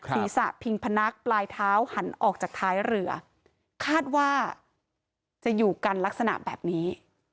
ศีรษะพิงพนักปลายเท้าหันออกจากท้ายเรือคาดว่าจะอยู่กันลักษณะแบบนี้